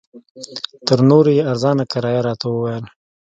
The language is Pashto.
تر نورو یې ارزانه کرایه راته وویل.